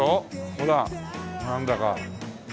ほらなんだか。